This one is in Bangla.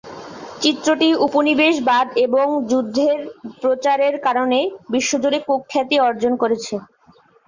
চিত্রটি উপনিবেশবাদ এবং যুদ্ধের প্রচারের কারনে বিশ্বজুড়ে কুখ্যাতি অর্জন করেছে।